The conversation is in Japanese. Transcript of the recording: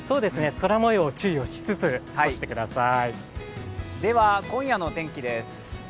空もように注意をしつつ干してください。